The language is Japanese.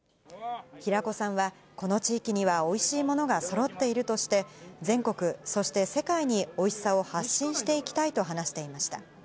平子さんは、この地域にはおいしいものがそろっているとして、全国、そして世界においしさを発信していきたいと話していました。